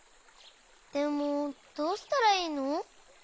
でもどうしたらいいの？